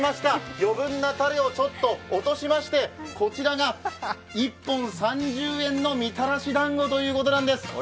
余分なたれを落としまして、こちらが１本３０円のみたらしだんごということなんです。